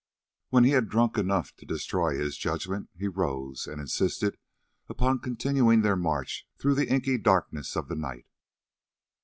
When he had drunk enough to destroy his judgment, he rose, and insisted upon continuing their march through the inky darkness of the night.